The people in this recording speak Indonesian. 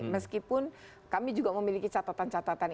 meskipun kami juga memiliki catatan catatan